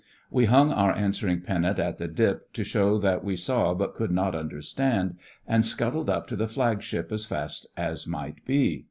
We hung our answering pennant at the dip to show that we saw but could not understand, and scuttled up to the Flagship as fast as might be.